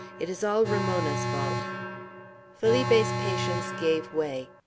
It is all Ramona's fault." Felipe's patience gave way.